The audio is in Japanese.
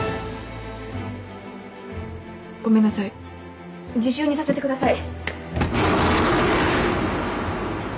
ごめんなさい自習にさせてください。